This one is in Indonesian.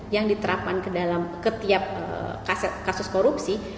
yang diterapkan ke dalam setiap kasus korupsi